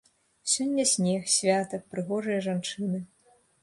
Сёння снег, свята, прыгожыя жанчыны.